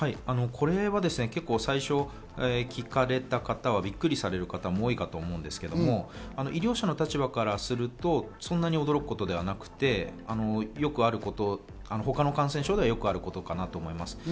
これは最初聞かれた方は、びっくりされる方も多いかと思いますが、医療者の立場からすると、そんなに驚くことではなくて、他の感染症ではよくあることかと思います。